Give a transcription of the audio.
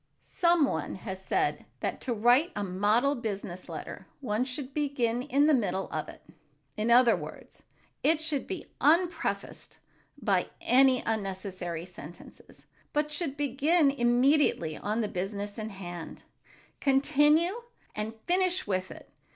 Some one has said that to write a model business letter one should "begin in the middle of it." In other words, it should be unprefaced by any unnecessary sentences, but should begin immediately on the business in hand, continue and finish with it.